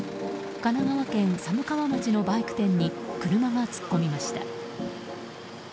神奈川県寒川町のバイク店に車が突っ込みました。